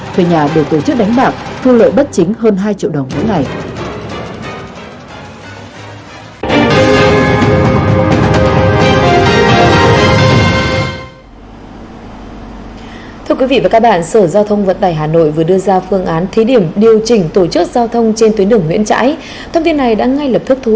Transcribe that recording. thuê nhà đều tổ chức đánh bạc thu lợi bất chính hơn hai triệu đồng mỗi ngày